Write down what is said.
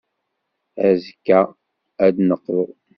Azekka, ad d-neqḍu.